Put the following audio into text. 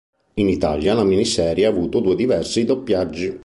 In Italia la miniserie ha avuto due diversi doppiaggi.